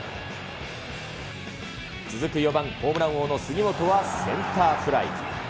続く４番、ホームラン王の杉本はセンターフライ。